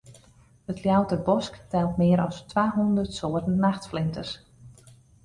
It Ljouwerter Bosk telt mear as twa hûndert soarten nachtflinters.